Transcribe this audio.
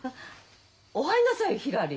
お入んなさいひらり。